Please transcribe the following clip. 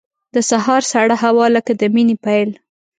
د سهار سړه هوا لکه د مینې پیل.